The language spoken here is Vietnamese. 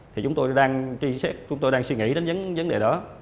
thì chúng tôi đang suy nghĩ đến vấn đề đó